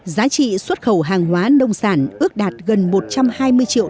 giá trị xuất khẩu hàng hóa nông sản ước đạt gần một trăm hai mươi triệu